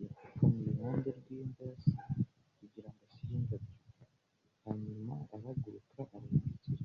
Yapfukamye iruhande rw'imva ya se kugira ngo ashyire indabyo, hanyuma arahaguruka arahindukira.